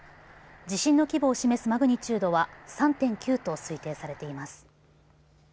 地震の規模を示すマグニチュードは３．９と推定されています。